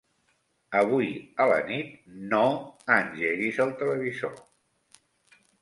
Avui a la nit no engeguis el televisor.